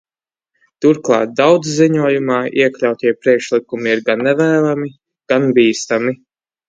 Turklāt daudzi ziņojumā iekļautie priekšlikumi ir gan nevēlami, gan bīstami.